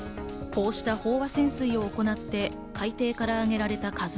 こうした飽和潜水を行って海底から揚げられた「ＫＡＺＵ１」。